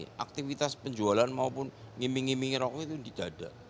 jadi aktivitas penjualan maupun ngiming ngiming rokok itu tidak ada